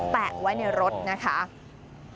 แปลกไว้ในรถไม่เป็นไร